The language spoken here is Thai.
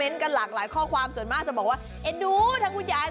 นั่นแหละ